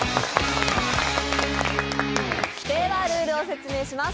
ルールを説明します。